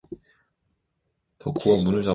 그리고 저 문 밖에서 덕호가 문을 잡아당기는 것만 같았다.